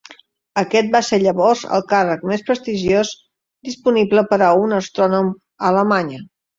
Aquest va ser llavors el càrrec més prestigiós disponible per a un astrònom a Alemanya.